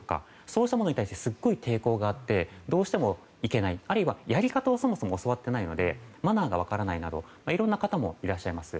そういったものに対してすごく抵抗があってどうしても行けないあるいはやり方をそもそも教わってないのでマナーが分からないなどいろんな方もいらっしゃいます。